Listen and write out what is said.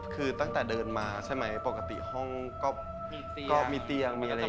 คือตั้งแต่เดินมาใช่มั้ยปกติห้องก็มีเตียงแล้ว